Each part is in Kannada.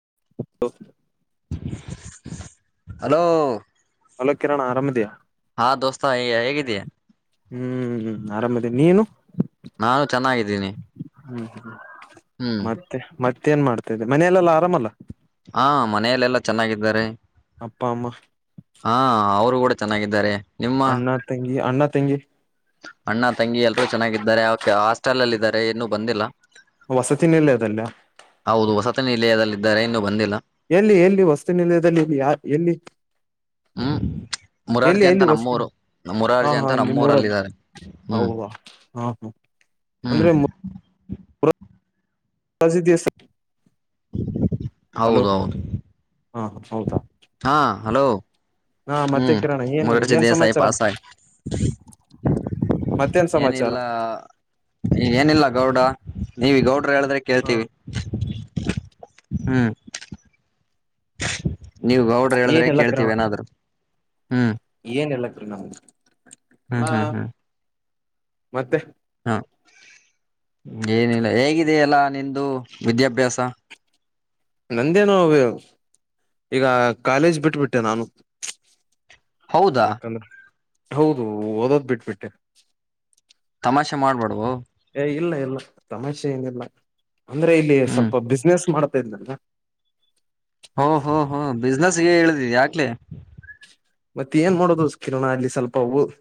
ಹ್ಮ್ ಹಲೋ ಹಲೋ ಕಿರಣ್ ಆರಾಮದಿಯಾ ಹಾ ದೋಸ್ತ ಹೇಗಿದ್ದ ಹ್ಮ್ ಹ್ಮ್ ಆರಾಮದೇ ನೀನು ನಾನು ಚೆನ್ನಾಗಿದ್ದೀನಿ ಹ್ಮ್ ಹ್ಮ್ಮ ಹ್ಮ್ ಮತ್ತೆ ಮತ್ತ ಏನ್ ಮಾಡ್ತಾದೆ ಮನೆಯಲ್ಲ ಆರಾಮಲ್ಲ ಹಾ ಮನೆಯಲೆೆಲ್ಲಾ ಚೆನ್ನಾಗಿದ್ದಾರೆ ಅಪ್ಪ ಅಮ್ಮ ಹಾ ಅವರು ಕೂಡ ಚೆನ್ನಾಗಿದ್ದಾರೆ. ನಿಮ್ಮ ಅಣ್ಣ ತಂಗಿ ಅಣ್ಣ ತಂಗಗೆ ಅಣ್ಣ ತಂಗಿ ಎಲ್ಲರರು ಚೆನ್ನಾಗಿದ್ದಾರೆ ಅವ ಹಾಸ್ಟೆಲ್ ಅಲ್ಲ ಇದಿದ್ದಾರೆ ನ್ನು ಬಂದಿಲ್ಲ ವಸ ಚಿಹನ್ನಲ್ಲ ಅದಲ್ಲ ಇದ್ದಾರೆ ಇನ್ನುೂ ಬಂದಿಲ್ಲ ಎಲ್ಲಿ ಎಲ್ಲಿ ವಸ್ತುನಿಲಯದಲ್ಲಿ ಇಲ್ಲಿ ಯ ಎಲ್ಲಿ ಹ್ಮ್ ಎಲ್ಲಿ ಮುರಾರ್ಜಿ ಅಂತ ಎಲ್ಲಿ ವಸತಿ ನಮ್ಮೂರು ನಿಲಯ? ಹಾ ಮುರಾರ್ಜಿ ಹಾ ಅಂತ ನಿಮ್ಮೂರಲ್ಲಿ ನಮ್ಮೂರಲ್ಲಿದ್ದಾರೆ ಹ್ಮ್ ಹೌದಾ ಹಾ ಹಾ ಹ್ಮ್ ಅಂದ್ರೆ ಸದ ಹೌದೌದು ಹಾ ಹೌದಾ ಹಾ ಹಲೋ ಹಾ ಮತ್ತೆ ಹ್ಮ್ ಕಿರಣ ಏನ್ ಮಗರಚ ಏನ್ ದಸಾಯ ಸಮಾಚಾರ ಪಾಸ ಮತ್ತೇನ್ ಸಮಾಚಾರ ಏನಿಲ್ಲ ಈ ಏನಿಲ್ಲ ಗೌಡ ನೀವುಗೌಟ್ ಹೇಳಿದ್ರೆ ಹ ಕೇಳ್ತೀವಿ. ಹ್ಮ್... [unintelligible] ನೀವು, ಗೌಡ್ರ, ಹೇಳಿದ್ರೆ ಕೇಳ್ತೀವಿ ಏನಾದ್ರು? [inaudible] ಹ್ಮ್... [inaudible] ಏನ್, ಇಲ್ಲಾ, ಕಿರಣ... [inaudible] ಹ್ಮ್, ಎಲ್ಲಾ ಹ್ಮ್, ಹ್ಮ್. [inaudible] ಮತ್ತೆ. [inaudible] ಹಾ, ಏನಿಲ್ಲ ಹೇಗಿದೆಯಲ್ಲಾ! ನಿಂಧು ವಿದ್ಯಾಭ್ಯಾಸ? [inaudible] ನಂಧೇನೋ, ಈಗ ಕಾಲೇಜ್! ಬಿಟ್ಬಿಟ್ಟೆ ನಾನು. [inaudible] ಹೌದಾ ಯಕಲ್ಲ.. [inaudible] ಹೌದು, ಓದೋದ್ ಬಿಟ್ಬಿಟ್ಟೆ. [inaudible] ತಮಾಷೆ, ಮಾಡುಬೇಡವೋ. [inaudible] ಏ, ಇಲ್ಲ ಇಲ್ಲ ತಮಾಸೆ ಏನಿಲ್ಲ? [inaudible] ಅಂದ್ರೆ, ಇಲ್ಲಿ ಹ್ಮ್ ಸ್ವಲ್ಪ ಬಿಸ್ನೆಸ್, ಮಾಡ. [inaudible] ಗೊತ್ತು, ಇಲ್ಲಾ, ಅಲ್ಲ. [inaudible] ಹೂ, ಹೂ, ಹೂ, ಬಿಸ್ನೆಸ್ಗೆ, ಇಲಿಧಾಳ, ಯಕ್ಲೇ? [inaudible] ಮತ್ತೆ, ಏನ್ ಮಾಡೋದು ಕಿರಣ, ಅಲ್ಲಿ ಸ್ವಲ್ಪ, ಓ. [inaudible]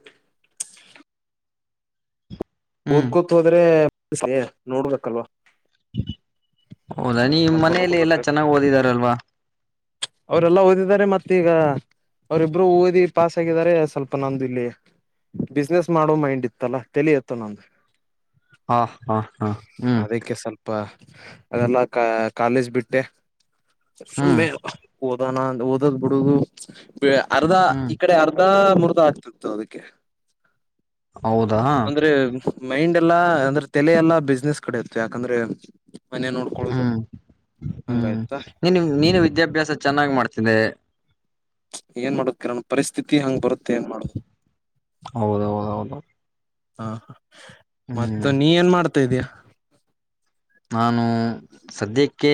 ಹ್ಮ್ ಊದ್ಕೂತ್, ಹೋದ್ರೆ? [inaudible] ಸಮಯ, ನೋಡ್ಬೇಕಲ್ವಾ! [inaudible] ಹೌದಾ, ನಿಮ ಸ್ವಲ್ಪ ಮನೇೆಯಲ್ಲಿ ನೋಡ್ಕೋಬೇಕ ಎಲ್ಲಾ ಚೆನ್ನಾಗ್ ಓದಿದಾರಲ್ವಾ? [unintelligible] ಅವರೆಲ್ಲಾ ಓದಿದಿದ್ದಾರೆ, ಮತ್ತು, ಈಗ ಅವ್ರಿಬ್ರು ಓದಿ ಪಾಸ್ ಆಗಿದಿದ್ದಾರೆ! ಸ್ವಲ್ಪ ನಮ್ದ ಇಲ್ಲಿ ಬಿಸ್ನೆಸ್ ಮಾಡೋ ಮೈಂಡ್ ಇತ್ತಲ್ಲ ತಲಿಯುತ್ತ. [inaudible] ತಾವೊಂದು? [inaudible] ಹಾ, ಹಾ, ಹಾ, ಹ್ಮ್. [inaudible] ಪಾ, ಅದೆಲ್ಲ, ಕ ಕಾಲೇಜ್ ಬಿಟ್ಟೆ. [unintelligible] ಹ್ಮ್ ಸುಮ್ಮನೆ. [unintelligible] ಓದೋಣ, ಓದದ್ ಬಿಡುದು. [inaudible] ಅರ್ಧಾ, ಹ್ಮ್ ಇಕಡೆ ಅರ್ಧಾ. [unintelligible] ಮೂರ್ತ, ಆಗ್ತಿತ್ತು ಅದಕ್ಕೆ. [unintelligible] ಹೌದಾ... [inaudible] ಅಂದ್ರೆ... [inaudible] ಮೈಂಡ್, ಎಲ್ಲಾ ಅಂದ್ರೆ ತೇಲಿಯಾನ, ಎಲ್ಲಾ ಬಿಸ್ನೆಸ್ ಕಡೆ ಇರುತ್ತೆ ಯಾಕಂದ್ರೆ? [inaudible] ನೋಡ್ಕೊಳುದು ಹ್ಮ್, ಹ್ಮ್, ಹಂಗಾಯ್ತಾ ನೀನು ನೀನು ವಿದ್ಯಾಭ್ಯಾಸ ಚೆನ್ನಾಗಿ ಮಾಡ್ತ... [inaudible] ತಿದ್ದೆ... [inaudible] ಏನ್, ಮಾಡ ಕಿರಣ್ ಪರಿಸ್ಥಿತಿ ಹಂಗ್ ಬರುತ್ತ. [inaudible] ಹೌದೌದು! ಹೌದು. [unintelligible] ಹಾ, ಹಾ. [inaudible] ಮತ್ತ, ಹ್ಮ್ ನೀ ಏನ್ ಮಾಡ್ತಾ, ಇದಯ. [unintelligible] ನಾನು ಸದ್ಯಕ್ಕೆ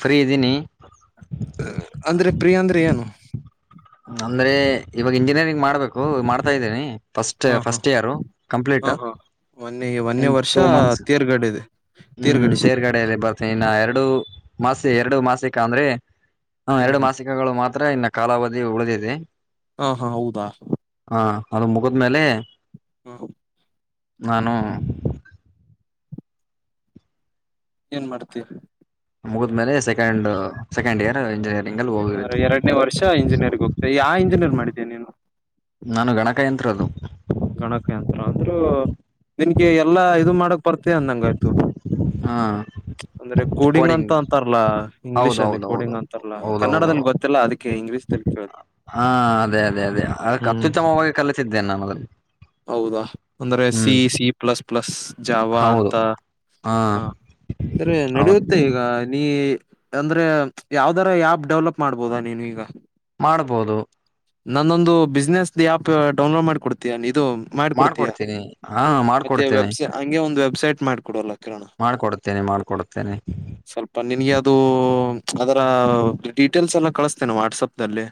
ಫ್ರೀ ಇದ್ದೀನಿ ಅಂದ್ರೆ ಪ್ರಿಯಾ ಅಂದ್ರೆ ಏನು ಅಂದ್ರೆ ಇವಾಗ ಇಂಜಿನಿಯರಿಂಗ್ ಮಾಡ್ಬೇಕು ಮಾಡ್ತಾ ಇದ್ದೇನಿ ಹ್ಮ್ ಹ್ಮ್ ಹಾ ಹಾ ಮೊನ್ನೆ ಮೊನ್ನೆ ಇನ್ ವರ್ಷ ಟೂ ಮಂತ್ಸ್ ತೇರ್ಗಡೆ ಇದೆ ಹ್ಮ್ ತೇರ್ಗಡೆಯಲ್ಲಿ ಬರ್ತೇನಿ ಇನ್ನ ಎರಡು ಮಾಸಿ ಎರಡು ಮಾಸಿಕ ಅಂದ್ರೆ ಹಾ ಎರಡು ಮಾಸಿಕಗಳು ಮಾತ್ರ ಹತ್ರ ಇನ್ನ ಕಾಲಾವಧಿ ಉಳಿದಿದೆ ಹಾ ಹಾ ಹೌದಾ ಹಾ ಅದು ಮುಗದ್ಮೇಲೆ ಹಾ ನಾನು ಏನ್ ಮಾಡ್ತೀ ಮುಗಿದ್ಮೇಲೆ ಸೆಕೆಂಡ್ ಸೆಕೆಂಡ್ ಇಯರ್ ಇಂಜಿನಿಯರ್ ಅಂದ್ರೆ ಎರನ ವರ್ಷ ಇಂಜಿಯರ್ಗ್ ಹೋಗ್ತ ಯ ಆ ಇಂಜಿನಿಯರ್ ಮಾಡಿದ್ದೇನೆ ನೀನು ನಾನು ಗಣಕಯಂತ್ರದು ಗಣಕ ಯಂತ್ರ ಅಂದ್ರೂ ನಿನ್ಗೆ ಎಲ್ಲಾ ಇದು ಮಾಡಕ್ ಬರ್ತ ಅಂದಂಗಯ್ತು ಹಾ ಅಂದ್ರೆ ಕೋಡಿಂಗ್ ಅಂತ ಅಂತಾರಲ್ಲಾ ಹೌದು ಇಂಗ್ಲಿೀಷ್ ಅಲ್ಲಿ ಹೌದು ಹೌದು ಕೋಡಿಂಗ್ ಅಂತಾರಲ್ಲಾ ಹೌದೌದು ಕನ್ನಡದಲ್ಲಿ ಗೊತ್ತಿಲ್ಲ ಅದಕ್ಕೆ ಇಂಗ್ಲಿಷ್ ತಲ್ಲಿ ಕ ಹಾ ಅದೇ ಅದೇ ಅದೇ ಹ್ಮ್ ಅತ್ಯುತ್ತಮವಾಗಿ ಕಲಿತಿದ್ದೇನೆ ನಾನು ಅದನ್ನು ಹೌದಾ ಅಂದ್ರೆ ಸಿ ಹ್ಮ್ ಸಿ ಪ್ಲಸ್ ಪ್ಲಸ್ ಜಾವ ಹೌದು ಅಂತ ಹಾ ಹ ಅ್ರ ಹೌದು ನಡೆಯುತ್ತೆ ಈಗ ನೀ ಅಂದ್ರೆ ಯಾವ್ದರ ಆಪ್ ಡೆವಲಪ್ ಮಾಡ್ಬೋದಾ ನೀನು ಈಗ ಮಾಡ್ಬೋದು ನಾನೊಂದು ಬಿಸ್ನೆಸ್ ಆ್ಯಪ್ ಡೌನ್ಲೋಡ್ ಮಾಡಿಿಕ ಕೊಡ್ತೀಯ ಮಾಡ್ಕೊಡ್ತೇನಿ ಹಾ ಮಾಡ್ಕೊಡ್ತೇನೆಿ ಸೆಟ್ ಮಾಡ್ಕೊಡೋಲ್ಲ ೋಣ [inaudible] ಮಾಡ್ಕೊಡ್ತೇನೆ ಸ್ವಲ್ಪ ನಿನ್ಗೆ ಅದುೂ ಅದರ ಡೀಟೇಲ್ಸ್ ಎಲ್ಲ ಕಳಿಸಸ್ತೇನೆ ವಾಟ್ಸಪ್ ನಲ್ಲಿ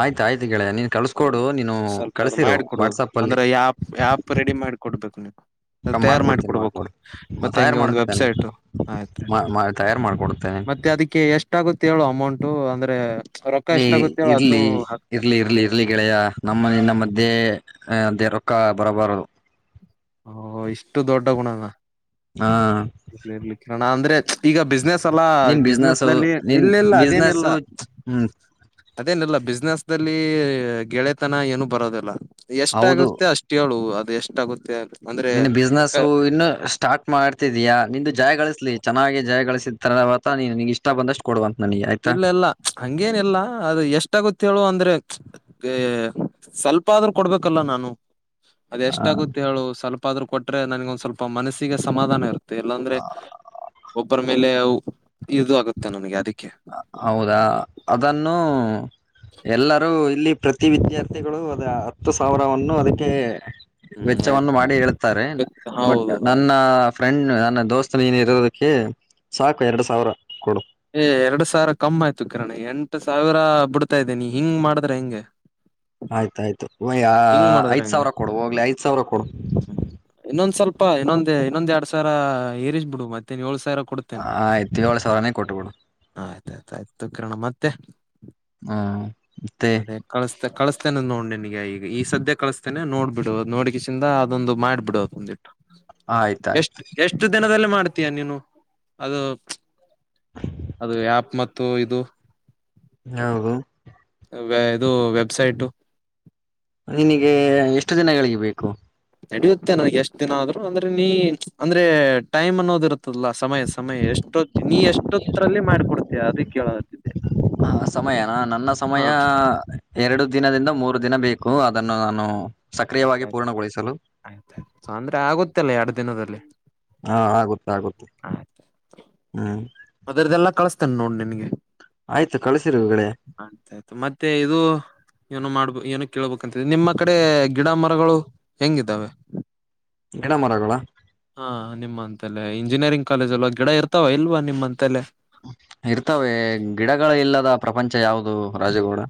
ಆಯ್ತ್ ಆಯ್ತು ಗೆಳೆಯ ನೀನ್ ಕಳ್ಸ್ಕೊಡು ನೀನು ಸ್ವಲ್ಪ ಅದು ಕಳ್ಸಿರು ಮಾಡಿಕೊಡೋದು ವಾಟ್ಸಪ್ ಅಲ್ಲಿ ಅಂದ್ರೆ ಈ ಆಪ್ ಆಪ್ ರೆಡಿ ಮಾಡಿ ಕೊಡ್ಬೇಕು ನೀವು ತಯಾರು ಮಾಡಿ ಮಾಡ್ಕೊಡ್ತೀನಿ ಕೊಡ್ಬೋಕು ಮಾಡ್ಕೊಡ್ ಮತ್ತೆ ತಯಾರು ಹಂಗೆ ಒಂದ್ ಮಾಡ್ತೇನೆ ವೆಬ್ಸೈಟು ಆಯ್ತು ತಯಾರು ಮಾಡ್ಕೊಡ್ತೇನೆ ಮತ್ತೆ ಅದಿಕ್ಕೆ ಎಷ್ಟಾಗುತ್ ತ್ತೇಳು ಅಮೌಂಟು ಅಂದ್ರೆ ರೊಕ್ಕ ಏ ಎಷ್ಟಾಗುತ್ತೆ ಹೇಳು ಇರ್ಲಿ ಅದ್ನು ಹಾಕ್ತೇನೆ ಇರ್ಲಿ ಇರ್ಲಿ ಇರ್ಲಿ ಗೆಳೆಯ ನಮ್ಮ ನಿನ್ನ ಮಧ್ಯೆ ಏ ಅದೆ ರೊಕ್ಕ ಬರಬಾರದು ಓ ಇಷ್ಟು ದೊಡ್ಡ ಗುಣನ ಹಾ ಇರ್ಲಿ ಇರ್ಲಿ ಕಿರಣ ಅಂದ್ರೆ ಈಗ ಬಿಸ್ನೆಸ್ ತ್ತಲ್ಲಾ ನಿನ್ ಬಿಸ್ನೆಸ್ ಬಿಸ್ನೆಸ್ನಲ್ಲಿ ನಿನ್ ಇಲ್ಲ ಇಲ್ಲ ಬಿಸ್ನೆಸ್ ಅದೇನಿಲ್ಲ ಹ್ಮ್ ಅದೇನಿಲ್ಲ ಬಿಸ್ನೆಸ್ದಲ್ ಲ್ಲೀ ಗೆಳೆತನ ಏನು ಬರೋದಿಲ್ಲ ಎಷ್ಟ್ ಹೌದು ಆಗುತ್ತೆ ಅಷ್ಟ್ ಹೇಳು ಅದ್ ದು ಎಷ್ಟಾಗುತ್ತೆ ಅದ್ ನಿನ್ ಬಿಸ್ನಸ್ಸು ಇನ್ನು ಸ್ಟಾರ್ಟ್ ಮಾಡ್ತ್ ತಿದಿಯಾ ನಿಂದು ಜಾಯ್ ಗಳಸ್ಲಿ ಚೆನ್ನಾಗಿ ಜಾಯ್ [unintelligible] ಅವತ್ತ ನೀನು ನಿಂಗ್ ಇಷ್ಟ ಬಂದಷ್ಟು ಕೊಡುವನ್ ಇಲ್ಲ ಇಲ್ಲ ಹಂಗೇನಿಲ್ಲ ಅದು ಎಷ್ಟಾಗುತ್ ಹೇಳು ಅಂದ್ರೆ ಏ ಸ್ವಲ್ಪ ಆದ್ರೂ ಕೊಡ್ಬೇಕಲ್ಲ ನಾನು ಅದ್ ಎಷ್ಟಾಗುತ್ ಹೇಳು ಸ್ವಲ್ಪ್ ಪಾದ್ರು ಕೊಟ್ಟ್ರೆ ನನಿಗ್ ಒಂದ್ ಸ್ವಲ್ಪ ಮನಸ್ಸಿಗೆ ಸಮಾಧಾನ ಇರು ತ್ತೆ ಇಲ್ಲಾಂದ್ರೆ ಒಬ್ಬರ ಮೇ ಲೇವ್ ಇದು ಆಗುತ್ತೆ ನನಿಗೆ ಅದಿಕ್ಕೆ ಹೌದಾ ಅದನ್ನು ಎಲ್ಲರೂ ಇಲ್ಲಿ ಪ್ರತಿ ವಿದ್ಯಾರ್ಥಿಗಳು ಅದ ಹತ್ತು ಸಾವಿರವನ್ನು ಅದಕ್ಕೆ ಹ್ಮ್ ವೆಚ್ಚವನ್ನು ಮಾಡಿ ಹೇಳ್ತಾರೆ ಆಯ್ತು ಬಟ್ ಹೌದು ನನ್ನ ಆಯ್ತು ಫ್ರೆಂಡ್ ನನ್ನ ದೋಸ್ತ ನೀನು ಇರೋದಕ್ಕೆ ಸಾಕು ಎರಡು ಸಾವಿರ ಕೊಡು ಏ ಎರಡು ಸಾವಿರ ಕಮ್ ಆಯ್ತು ಕಿರಣ ಎಂಟು ಸಾವಿರ ಬಿಡ್ತಾ ಇದ್ದೇನಿ ಹಿಂಗ್ ಮಾಡಿದ್ರೆ ಹೆಂಗೆ ಆಯ್ತಾಯ್ತು ಒಯ್ ಯಾ ಹಿಂಗ್ ಮಾಡಿದ್ರೆ ಐದ್ ಹೆಂಗೆ ಸಾವ್ರ ಕೊಡು ಹೋಗ್ಲಿ ಐದ್ ಸಾವ್ರ ಕೊಡು ಪಾ ಇನ್ನೊಂದೇ ಇನ್ನೊಂದ್ ಎರಡ್ ಸಾವ್ರ ಏರಿಸ್ಬಿಡು ಮತ್ತೆ ನೀನ್ ಯೋಳ್ ಸಾವ್ರ ಕೊಡ್ತೆನೆ ಆಯ್ತು ಏಳು ಸಾವಿರನೇ ಕೊಟ್ಟುಬಿಡು ಆಯ್ತ್ ಆಯ್ತ್ ಆಯ್ತು ಕಿರಣ ಮತ್ ತ್ತೆ ಹ್ಮ್ ಮತ್ತೆ ತೆನೆ ನೋಡ್ ನಿನಿಗೆ ಈ ಸದ್ಯ ಕಳುಸ್ತೆನೆ ನೋಡ್ಬಿಡು [unintelligible] ಅದೊಂದು ಮಾಡ್ಬಿಡು ಒಂದ್ ಆಯ್ತಾಯ್ತು ಎಷ್ಟು ಎಷ್ಟು ದಿನದಲ್ಲಿ ಮಾಡ್ತೀಯ ನೀನು ಅದು ಅದು ಆಪ್ ಮತ್ತು ಇದು ಹಾ ಇದು ವೆಬ್ಸೈಟು ನಿನಗೆ ಎಷ್ಟು ದಿನಗಳಿಗೆ ಬೇಕು ನಡಿಯುತ್ತೆ ನನ್ಗೆ ಎಷ್ಟ ದಿನ ಆದ್ರು ಅಂದ್ರೆ ನೀ ಅಂದ್ರೆ ಟೈಮ್ ಅನ್ನೋದ ಇರುತ್ತದಲ್ಲಾ ಸಮಯ ಸಮಯ ಎಷ್ಟೊ ನೀ ಎಷ್ಟೊತ್ತರಲ್ಲಿ ಮಾಡ್ಕೊಡ್ತೀಯ ಕೇಳಾಗುತ್ತ ಹ ಸಮಯನ ನನ್ನ ಸಮಯ ಎರಡು ದಿನದಿಂದ ಮೂರು ದಿನ ಬೇಕು ಅ ದನ್ನು ನಾನು ಸಕ್ರಿಯವಾಗಿ ಆಯ್ತಾಯ್ತ ಪೂರ್ಣಗೊಳಿಸಲು ಆಯ್ತ್ತಂದ್ರೆ ಆಗುತ್ತಲ್ಲ ಎಡ್ ದಿನದಲ್ಲಿ ಹಾ ಆಗುತ್ತೆ ಆಗುತ್ತೆ ಹ್ಮ್ ಅದದೆಲ್ಲ ಕಳಸ್ತನೆ ನೋಡ್ ನಿನ್ಗೆ ಆಯ್ತು ಕಳಸಿರುಗಡೆ ಆತಾಯ್ತು ಮತ್ತೆ ಇದು ಏನೋ ಮಾಡ್ಬೋ ಏನೋ ಕೇಳ್ಬೇಕಂತಿದೆ ನಿಮ್ಮ ಕಡೆ ಗಿಡ ಮರಗಳು ಹೆಂಗಿದ್ದಾವೆ ಗಿಡ ಮರಗಳ ಹಾ ನಿಮ್ಮಂತಲೆೇ ಇಂಜಿನಿಯರಿಂಗ್ ಕಾಲೇಜ್ ಅಲ್ವಾ ಗಿಡ ಇರ್ತಾವ ಇಲ್ವಾ ನಿಮ್ಮ ಅಂತೆಲ್ಲೇ ಇರ್ತವೆ ಗಿಡಗಳ ಇಲ್ಲದ ಪ್ರಪಂಚ ಯಾವವುದು ರಾಜಗೌಡ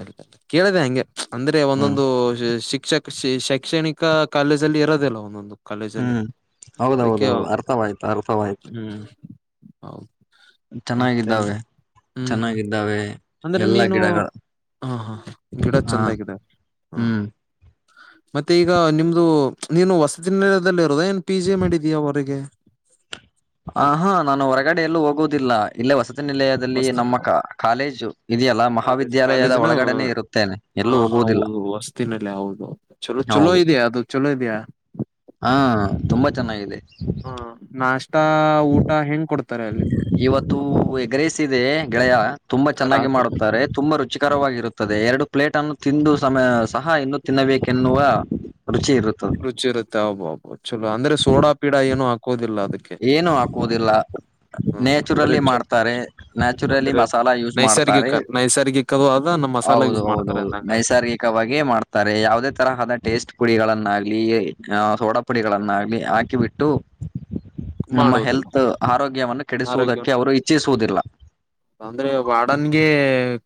ಎ ಕೇಳದೆ ಹಂಗೆ ಅಂದ್ರೆ ಹ್ಮ್ ಒಂದೊಂದು ಶ ಶೈಕ್ಷಣಿಕ ಕಾಲೇಜಲ್ಲಿ ಇರೋದಿಲ್ಲ ಒಂದೊಂದು ಕಾಲೇಜ ಅಲ್ಲಿ ಹ್ಮ್ ಅದಕ್ಕೆ ಹೌದೌದುೌದು ಅರ್ಥವಾಯ್ತು ಅರ್ಥವಾಯ್ತು ಹ್ಮ್ ಹೌದು ಮತ್ತೆ ಹ್ಮ್ ಚೆನ್ನಾಗಿದ್ದಾವೆ ಹ್ಮ್ ಚೆನ್ನಾಗಿದ್ದಾವೆ ಎಲ್ಲಾ ಗಿಡಗಳು ಹಾ ಹಾ ಹ ಗಿಡ ಹಾ ಚಂದಾಗಿದೆ ಹ ಹ್ಮ್ ಮತ್ತೆ ಈಗ ನಿಮ್ದು ನೀನು ವಸತಿದಲ್ಲಿ ಹೃದಯ ಏನ್ ಪಿ ಜೆ ಮಾಡಿದೀಯಾ ಅವಗೆ ಹ್ಮ್ [inaudible] ಹ ಹಾ ನಾನು ಹೊರಗಡೆ ಎಲ್ಲೂ ಹೋಗುದಿಲ್ಲ ಇಲ್ಲೇ ವಸ ನಿಲಯದಲ್ಲಿ ವಸತಿ ನಮ್ಮ ಕ ನಿಲಯ ಕಾಲೇಜು ಇದೆಯಲ್ಲ ಕಾಲೇಜ್ ಮಹಾವಿದ್ಯಾಲಯದ ಕಾಲೇಜನ ಒಳಗಡೆನೆ ಇರುತ್ತೇನೆ ಹ ಎಲ್ಲೂ ಹೋಗುವುದಿಲ್ಲ ಹೌದು ವಸ್ತಿನಲ್ಲಿ ಹೌದು ಚಲೋ ಚಲೋ ಹೌದು ಇದೆಯಾ ಅದು ಚಲೋ ಇದೆಯಾ ಹಾ ತುಂಬಾ ಚೆನ್ನಾಗಿದೆ ಹ ನಾಷ್ಟತಾ ಊಟ ಹೆಂ ಇವತ್ತು ಎಗ್ರಸಿದೆ ಗೆಳೆಯ ತುಂಬಾ ಚೆನ್ನಾಗಿ ರಾತ್ರಿ ಮಾಡುತ್ತಾರೆ ತುಂಬಾ ರುಚಿ ಚಿಕರವಾಗಿರುತ್ತೆ ದೆ ಎರಡು ಪ್ಲೇಟ್ ಅನ್ನು ತಿಂದು ಸಮ ಸಹ ಇನ್ನು ತಿನ್ನಬೇಕೆನ್ನುವ ರುಚಿ ಇರುತ್ತದೆ ರುಚಿ ಇರುತ್ತೆ ಅಬೋಬ್ಬೋ ಚಲೋ ಅಂದ್ರೆ ಸೋಡಾ ಪೀಡ ಏನು ಹಾಕೋದಿಲ್ಲ ಅದಕ್ಕೆ ಏನು ಹಾಕುವುದಿಲ್ಲ ಹ ಅಂದ್ರೆ ನ್ಯಾಚುರಲಿ ಚೊ ಮಾಡ್ತಾರೆ ಹ್ಮ್ ನ್ಯಾಚುರಲಿ ಅಂದ್ರೆ ಮಸಾಲಾ ಯೂಸ್ ಮಾಡ್ತಾರೆ ನೈಸರ್ಗಿಕ ನೈಸರ್ಗಿಕದು ಆದ ನಮ್ ಮಸಾಲ ಹೌದು ಯೂಸ್ ಮಾಡ್ತಾರೆ ಹೌದೌದು ಅಂದಂಗ ನೈಸರ್ಗಿಕವಾಗಿಯೇ ಮಾಡ್ತಾರೆ ಯಾವದೇ ತರಹದ ಟೇಸ್ಟ್ ಗಳನ್ನಾಗ್ಲಿ ಸೋಡ ಪುಡಿಗಳನ್ನಾಗ್ಲಿ ಹಾಕಿಬಿಟ್ಟು ನಮ್ಮ ಮಾಡುವುದಿಲ್ಲ ಹೆಲ್ತ್ ಆರೋಗ್ಯವನ್ನು ಆರೋಗ್ಯ ಕೆಡಿಸುವುದಕ್ಕೆ ಅವರು ಇಚ್ಛಿಸುವುದಿಲ್ಲ ಅಂದ್ರೆ ವಾಡನ್ಗೆ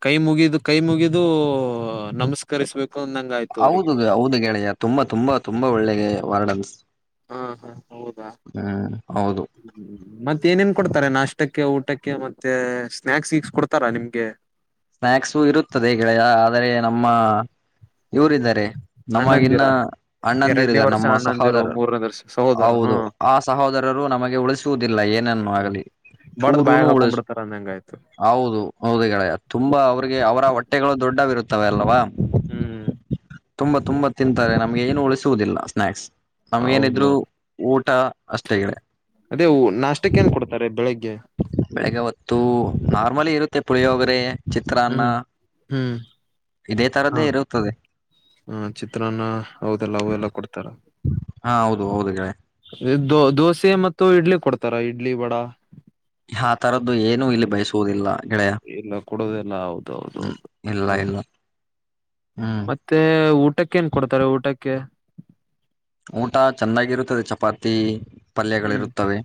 ಕೈ ಮುಗಿದ ಇದು ಕೈ ಮುಗಿದು ನಮಸ್ಕರಿಸಬೇಕು ಹೌದು ಹೌದು ಗೆೆಯ ತುಂಬಾ ತುಂಬಾ ತುಂಬಾ ಒಳ್ಳೇಗೆ ವರ್ಡನ್ಸ್ ಹಾ ಹಾ ಹೌದಾ ಹ್ಮ್ ಹೌದು ಮತ್ತ ಏನೇನ್ ಕೊಡ್ತಾರೆ ನಾಷ್ಟಕ್ಕೆ ಊಟಕ್ಕೆ ಮತ್ತೆ ಸ್ನಾಕ್ಸ್ ಸಿಕ್ಸ್ ಕೊಡ್ತಾರಾ ನಿಮ್ಗೆ ಸ್ನ್ಯಾಕ್ಸು ಇರುತ್ತದೆ ಗೆಳೆಯ ಆದರೆ ನಮ್ಮ ಇವರಿದ್ದಾರೆ ನಮಗಿನ್ನ ಅಣ್ಣಂದಿರ ಎರಡನೇ ಅಣ್ಣಂದಿರಾರೆ ವರ್ಷ ನಮ್ಮ ಅಣ್ಣಂದಿರು ಸಹೋದರರು ಮೂರನೇ ವರ್ಷ ಸಹೋದರ ಹಾ ಹೌದು ಆ ಸಹೋದರರು ನಮಗೆ ಉಳಿಸುವುದಿಲ್ಲ ಏನನ್ನು ಆಗಲಿ ಬಡ್ದ್ ಚೂರುನು ಬಾಯಾಗ ಹಾಕೊಂಡ್ ಉಳಿಸ ಬಿಡ್ತಾರ ಅಂದಂಗ ಆಯ್ತು [inaudible] ಹೌದು ಹೌದು ಗೆಳಯ ಅವ್ರಿಗೆ ಅವರ ಹೊಟ್ಟೆಗಳು ದೊಡ್ಡವಿರುತ್ತವೆ ಅಲ್ವಾ ಹ್ಮ್ ತುಂಬಾ ತುಂಬಾ ತಿಂತಾರೆ ನಮ್ಗೆ ಏನು ಉಳಿಸುವುದಿಲ್ಲ ಸ್ನಾಕ್ಸ್ ಹೌದು ನಮ್ಗೇನಿದ್ರು ಊ [unintelligible] ಅದೇ ನಾಷ್ಟಕ್ಕೆ ಏನ್ ಕೊಡ್ತಾರೆ ಬೆಳಿಗ್ಗೆ ಬೆಳಿಗ್ಗೆ ಹೊತ್ತು ನಾರ್ಮಲಿ ಇರು ಪುಳಿಯೋಗರೆ ಚಿತ್ರಾನ್ನ ಹ್ಮ್ ಹ್ಮ್ ಇದೇ [inaudible] ಹಾ ತರದ್ದೇ [inaudible] ಇರುತ್ತದೆ ಹಾ ಚಿತ್ರಾನ್ನ ಹೌದೆಲ್ಲ ಅವೆಲ್ಲ ಕೊಡ್ತಾರ ಹಾ ಹೌದು ಹೌದು ಗೆಳೆಯ ದೋಸೆ ಮತ್ತು ಇಡ್ಲಿ ಕೊಡ್ತಾರ ಇಡ್ಲಿ ವಡ ಆ ತರದ್ದು ಏನು ಇಲ್ಲಿ ಬಯಸುವುದಿಲ್ಲ ಗೆಳೆಯ ಇಲ್ಲ ಕೊಡೋದೆಲ್ಲ ಹೌದೌದು ಹ್ಮ್ ಇಲ್ಲ ಹೌದು ಇಲ್ಲ ಹ್ಮ್ ಮತ್ತೆ ಊಟಕ್ಕೆ ಏನ್ ಕೊಡ್ತಾರೆ ಊಟಕ್ಕೆ ಊಟ ಚೆಂದಾಗಿರುತ್ತದೆ ಚಪಾತಿ ಹ್ಮ್ ಪಲ್ಯಗಳಿರುತ್ತವೆ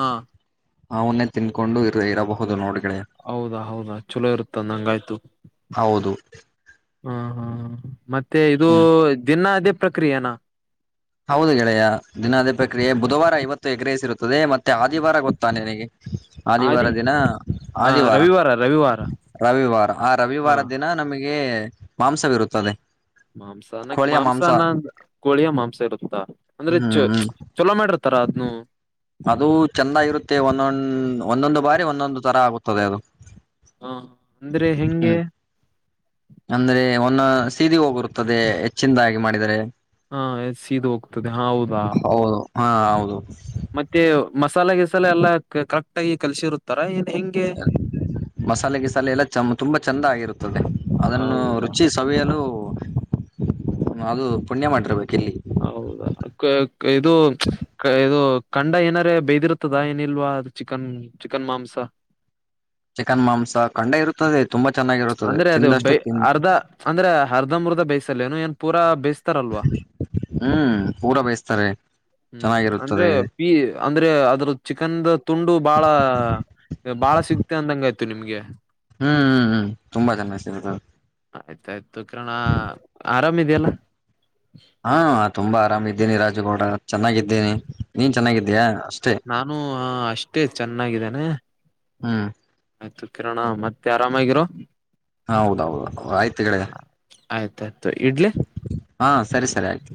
ಹಾ ಅವನ್ನೇ ತಿನ್ಕೊಂಡು ಇರಬಹುದು ನೋಡಿ ಹೌದಾ ಹೌದಾ ಚಲೋ ಇರುತ್ತಂದಂಗಾಯ್ತು ಹೌದು [inaudible] ಹಾ ಹಾ ಮತ್ತೆ ಇದು ಹ್ಮ್ ದಿನ ಅದೇ ಪ್ರಕ್ರಿಯೆನಾ ಹೌದು ಗೆಳೆಯ ದಿನ ಅದೇ ಪ್ರಕ್ರಿಯೆ ಬುಧವಾರ ಇವತ್ತು ಎಗ್ರೈಸ್ ಇರುತ್ತದೆ ಮತ್ತೆ ಆದಿವಾರ ಗೊತ್ತಾನೆ ನಿನ್ನಗೆ ಆದಿ ಆದಿವಾರ ದಿನ ಹ ಆದಿವಾರ ರವಿವಾರ ರವಿವಾರ ರವಿವಾರ ಆ ಹ ರವಿವಾರ ದಿನ ನಮಗ್ ಹಾಗ ಮಾಂಸವಿರುತ್ತದೆ ಮಾಂಸಾನಕ್ಕೆ ಕೋಳಿಯ ಮಾಂಸ ಮಾಂಸಾನ ಕೋಳಿಯ ಮಾಂಸ ಇರುತ್ತೆ ಅಂದ್ರೆ ಹ್ಮ್ ಹ್ಮ್ ಚಲೋ ಮಾಡಿ [unintelligible] ಅದು ಚಂದ ಇರುತ್ತೆ ಒಂದೊಂದು ಒಂದೊಂದು ಬಾರಿ ಒಂದೊಂದು ತರ ಆಗುತ್ತದೆ ಅದು ಹಾ ಅಂದ್ರೆ ಹೆಂಗೆ ಹ್ಮ್ ಅಂದ್ರೆ ಒಂದು ಸೀದಿ ಹೋಗಿರುತ್ತದೆ ಹೆಚ್ಚಿಂದಾಗಿ ಮಾಡಿದರೆ ಹಾ ಸೀದು ಹೋಗ್ತದೆ ಹಾ ಹೌದಾ ಹೌದು [unintelligible] ಮತ್ತೆ ಮಸಾಲೆ ಗಿಸಾಲ ಎಲ್ಲಾ ಕರೆಕ್ಟ್ ಆಗಿ ಕಲ್ಸಿರುತ್ತಾರಾ ಮಸಾಲೆ ಗಿಸಾಲೆ ಎಲ್ಲ ತುಂಬಾ ಚಂದ ಆಗಿರುತ್ತದೆ ಅದನ್ನು ಹೌದಾ ರುಚಿ ಸವಿಯಲು ಅದು ಪುಣ್ಯ ಮಾಡಿರ್ಬೇಕು. - ಹೌದಾ, ಇದು, ಇದು ಖಂಡ ಏನಾರ ಬೇದಿರ್ತದ ಏನಿಲ್ವಾ ಚಿಕನ್- ಚಿಕನ್ ಮಾಂಸ. - ಚಿಕನ್ ಮಾಂಸ ಕಂಡೆ ಇರುತ್ತದೆ. - ಅಂದ್ರೆ ಅದು ಬೈ, ಅರ್ಧ ಅಂದ್ರೆ ಅರ್ಧ ಮರ್ಧ ಬೈಸಲ್ಲೇನು ಏನ್- ಪೂರ ಬ [unintelligible] -ಲ್ವಾ ಹ್ಮ್ ಪೂರ ಬೇಯಿಸ್ತಾರೆ ಹ್ಮ್ ಅಂದ್ರೆ ಚೆನ್ನಾಗಿರುತ್ತದೆ ಪ ಅಂದ್ರೆ ಅದ್ರ ಚಿಕನ್ ತುಂಡು ಬಾಳ- ಬಾಳ ಸಿಗ್ತೆ ಅಂದಂಗ- ಇ ನಿಮ್ಗೆ [unintelligible] ಹ್ಮ್, ಹ್ಮ್, ಹ್ಮ್ ತುಂಬಾ ಚೆನ್ನ ಆಯ್ತಾಯ್ತು ಕಿರಣ ಆರಾಮಿದೆಯಲ್ಲ ಹಾ ತುಂಬಾ ಆರಾಮ- ಎಲ್ಲಿ ರಾಜಗೌಡ. - ಚೆನ್ನಾಗಿದ್ದೇನೆ. ನೀನ್- ಚೆನ್ನಾಗಿದ್ಯಾ, - ನಾನು ಅಷ್ಟೇ ಚೆನ್ನಾಗಿದ್ದೇನೆ ಹ್ಮ್ ಆಯ್ತು. - ಕಿರಣ ಮತ್ತೆ ಆರಾಮಾಗಿರೋ., - ಹ ಹೌದೌದು, ಆಯ್ತು ಗೆಳೆಯ. - ಆಯ್ತು [unintelligible] ಹಾ, ಸರಿ, ಸರಿ ಆಯ್ತು.